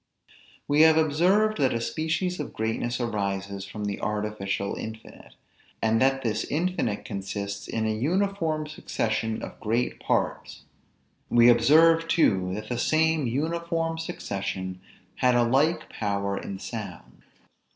We have observed that a species of greatness arises from the artificial infinite; and that this infinite consists in an uniform succession of great parts: we observed too, that the same uniform succession had a like power in sounds.